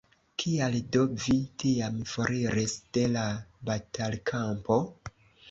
Kial do vi tiam foriris de la batalkampo?